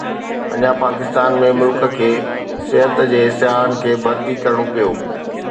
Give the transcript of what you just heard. اڃا پاڪستان ۾، ملڪ کي صحت جي سياحن کي ڀرتي ڪرڻو پيو.